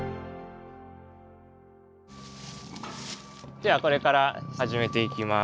ではこれから始めていきます。